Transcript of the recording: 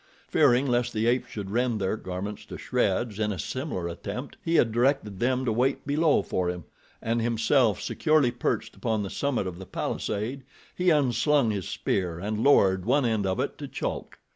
Fearing lest the apes should rend their garments to shreds in a similar attempt, he had directed them to wait below for him, and himself securely perched upon the summit of the palisade he unslung his spear and lowered one end of it to Chulk.